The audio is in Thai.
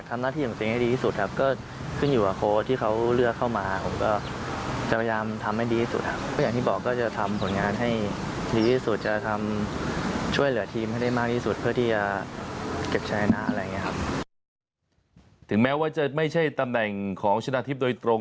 ถึงแม้ว่าจะไม่ใช่ตำแหน่งของชนะทิพย์โดยตรง